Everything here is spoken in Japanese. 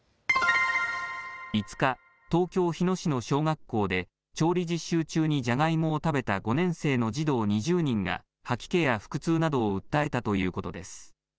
５日東京、日野市の小学校で調理実習中にじゃがいもを食べた５年生の児童２０人が吐き気や腹痛などを訴えたということです。